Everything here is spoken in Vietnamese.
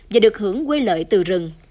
và được hưởng quê lợi từ rừng